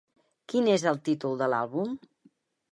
Quin és el títol de l'àlbum?